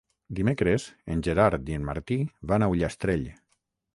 Dimecres en Gerard i en Martí van a Ullastrell.